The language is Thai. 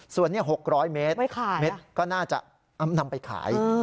ส่วนนี้๖๐๐เมตรเมตรก็น่าจะนำไปขาย